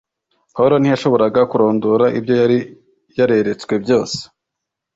Pawulo ntiyashoboraga kurondora ibyo yari yareretswe byose